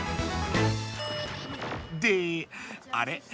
であれ？